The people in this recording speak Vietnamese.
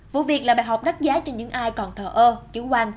vụ việc là bài học đắt giá cho những ai còn thờ ơ chữ hoàng